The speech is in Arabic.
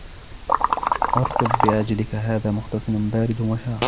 ارْكُضْ بِرِجْلِكَ هَذَا مُغْتَسَلٌ بَارِدٌ وَشَرَابٌ